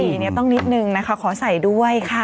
ต้องนิดนึงนะคะขอใส่ด้วยค่ะ